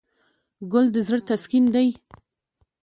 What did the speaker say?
ګل د زړه تسکین دی.